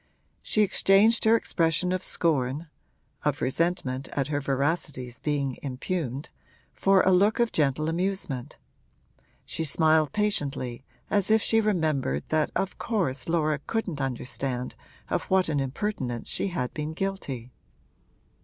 She exchanged her expression of scorn (of resentment at her veracity's being impugned) for a look of gentle amusement; she smiled patiently, as if she remembered that of course Laura couldn't understand of what an impertinence she had been guilty.